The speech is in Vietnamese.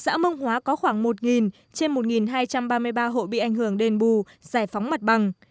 xã mông hóa có khoảng một trên một hai trăm ba mươi ba hộ bị ảnh hưởng đền bù giải phóng mặt bằng